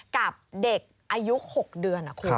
กับเด็กอายุ๖เดือนคุณ